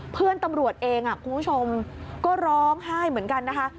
เพื่อนตำรวจเองคุณผู้ชมก็ร้องไห้เหมือนกันนะคะ